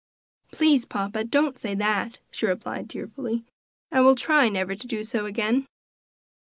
"Please, papa, don't say that," she replied tearfully; "I will try never to do so again."